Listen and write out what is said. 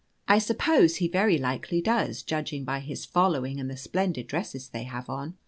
I suppose be very likely does, judging by his following and the splendid dresses they have on.